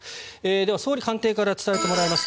では、総理官邸から伝えてもらいます。